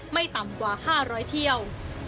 ไม่ต่ำกว่า๕๐๐เที่ยว